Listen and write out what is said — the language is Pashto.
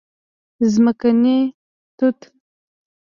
🍓ځمکني توت